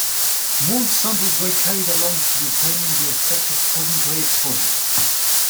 Mold samples were carried along to determine the effects of cosmic ray exposure.